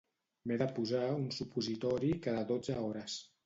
M'he de posar un supositori cada dotze hores.